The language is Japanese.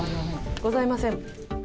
ございません。